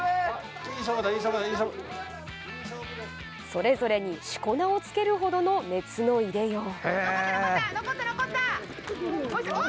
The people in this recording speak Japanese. それぞれに四股名をつけるほどの熱の入れよう。